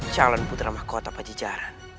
calon putra mahkota pajajaran